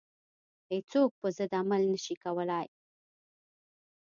هیڅوک پر ضد عمل نه شي کولای.